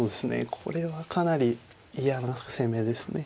これはかなり嫌な攻めですね。